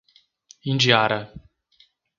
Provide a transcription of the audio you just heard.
Indiara